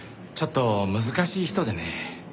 ちょっと難しい人でね。